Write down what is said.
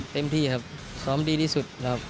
เต็มที่ครับซ้อมดีที่สุดครับ